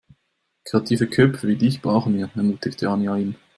Kreative Köpfe wie dich brauchen wir, ermutigte Anja ihn.